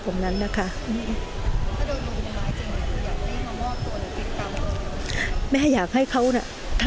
สวัสดีครับ